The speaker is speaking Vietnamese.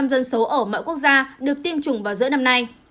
bảy mươi dân số ở mọi quốc gia được tiêm chủng vào giữa năm nay